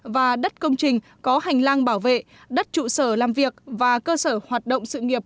và đất công trình có hành lang bảo vệ đất trụ sở làm việc và cơ sở hoạt động sự nghiệp